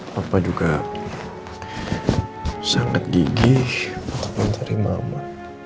papa juga sangat gigih untuk menerima ma